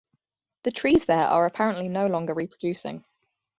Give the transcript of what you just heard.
The trees there are apparently no longer reproducing.